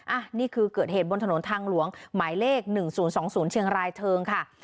อ่ะนี่คือเกิดเหตุบนถนนทางหลวงหมายเลขหนึ่งศูนย์สองศูนย์เชียงรายเทิงค่ะ